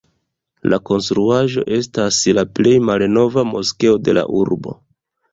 La konstruaĵo estas la plej malnova moskeo de la urbo.